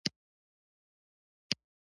چې للمې زمکې خړوبې شي نو نتيجه يې څۀ وي؟